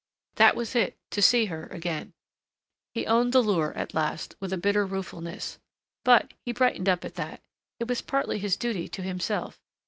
That was it to see her again. He owned the lure, at last, with a bitter ruefulness. But he brightened up at that it was partly his duty to himself.